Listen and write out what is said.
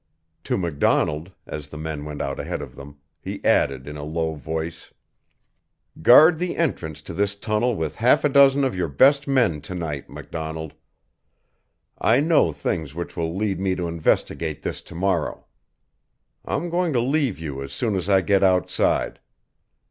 To MacDonald, as the men went out ahead of them, he added in a low voice: "Guard the entrance to this tunnel with half a dozen of your best men to night, MacDonald. I know things which will lead me to investigate this to morrow. I'm going to leave you as soon as I get outside.